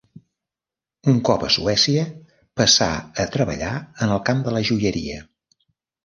Un cop a Suècia passà a treballar en el camp de la joieria.